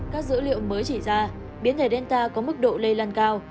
các dữ liệu mới chỉ ra biến thể delta có mức độ lây lan cao